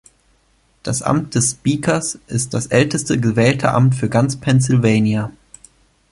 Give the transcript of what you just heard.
Das Amt des Speakers ist das älteste gewählte Amt für ganz Pennsylvania.